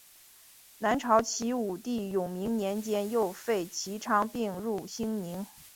南朝齐武帝永明元年又废齐昌并入兴宁。